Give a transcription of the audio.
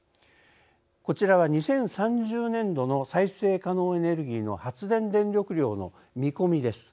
こちらは、２０３０年度の再生可能エネルギーの発電電力量の見込みです。